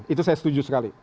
itu saya setuju sekali